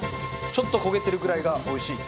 ちょっと焦げてるぐらいがおいしい。